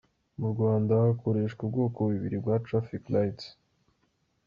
Mu Rwanda hakoreshwa ubwoko bubiri bwa ‘traffic lights’.